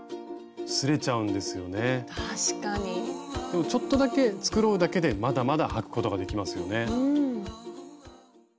でもちょっとだけ繕うだけでまだまだ履くことができますよね。